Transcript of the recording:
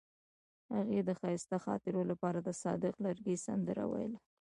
هغې د ښایسته خاطرو لپاره د صادق لرګی سندره ویله.